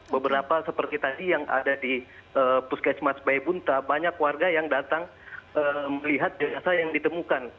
beberapa seperti tadi yang ada di puskesmas baibunta banyak warga yang datang melihat jenazah yang ditemukan